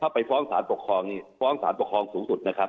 ไปฟ้องสารปกครองนี่ฟ้องสารปกครองสูงสุดนะครับ